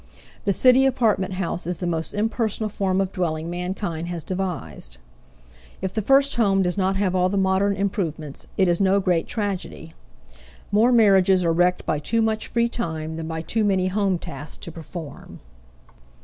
The city apartment house is the most impersonal form of dwelling mankind has devised. If the first home does not have all the modern improvements, it is no great tragedy. More marriages are wrecked by too much free time than by too many home tasks to perform.